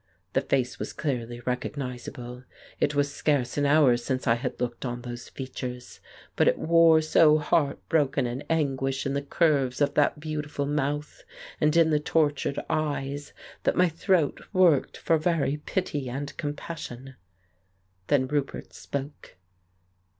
The face was clearly recognizable; it was scarce an hour since I had looked on those features, but it wore so heart broken an anguish in the curves of that beautiful mouth and in the tortured eyes, that my throat worked for very pity and compassion. Then Roupert spoke.